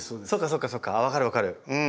そうかそうか分かる分かる。